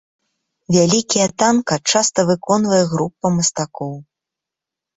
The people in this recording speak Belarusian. Вялікія танка часта выконвае група мастакоў.